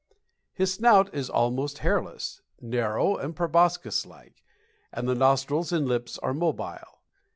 His snout is almost hairless, narrow and proboscis like, and the nostrils and lips are mobile.